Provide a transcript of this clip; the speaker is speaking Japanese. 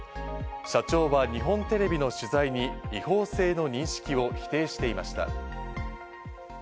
社長は日本テレビの取材に違法性の認識を否定していました。